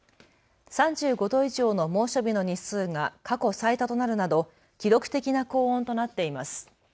３５度以上の猛暑日の日数が過去最多となるなど記録的な高温となっています。